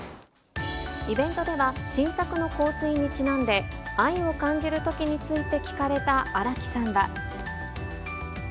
イベントでは、新作の香水にちなんで、愛を感じるときについて聞かれた新木さんは。